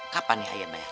kapan ibu bayar